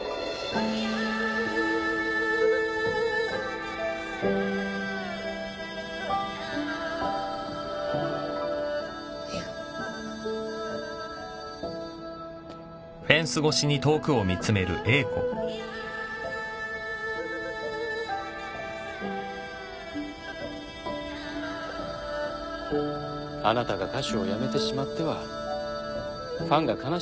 あなたが歌手をやめてしまってはファンが悲しむでしょう。